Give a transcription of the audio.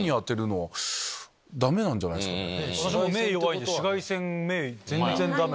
私も目弱いんで紫外線目全然ダメ！